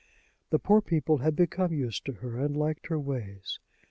The poor people had become used to her and liked her ways.